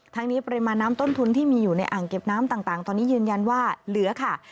ทั้งนี้ปริมาณน้ำต้นทุนที่มีอยู่ในอ่างเก็บน้ำต่างตอนนี้ยืนยันว่าเหลือค่ะ